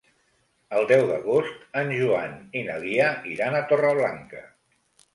El deu d'agost en Joan i na Lia iran a Torreblanca.